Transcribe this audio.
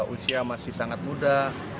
usia masih sangat muda